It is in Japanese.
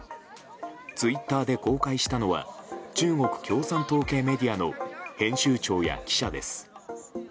ツイッターで公開したのは中国共産党系メディアの編集長や記者です。